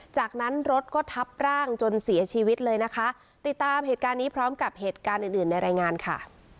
จากนั้นรถก็ทับร่างจนเสียชีวิตเลยนะคะติดตามเหตุการณ์นี้พร้อมกับเหตุการณ์อื่นอื่นในรายงานค่ะ